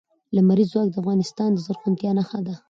لمریز ځواک د افغانستان د زرغونتیا نښه ده.